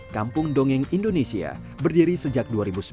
kampung dongeng indonesia berdiri sejak dua ribu sembilan